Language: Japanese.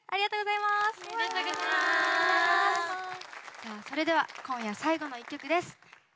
さあそれでは今夜最後の一曲です。